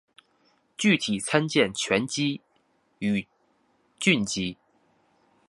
具体参见醛基与羧基。